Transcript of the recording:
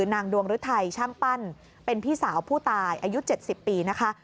นางดวงฤทัยช่างปั้นเป็นพี่สาวผู้ตายอายุ๗๐ปีนะคะ